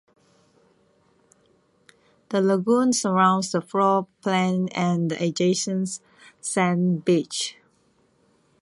The lagoon surrounds the floor plain and the adjacent sand beach.